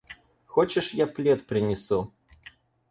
Хочешь, я плед принесу?